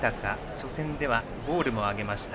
初戦ではゴールも上げました。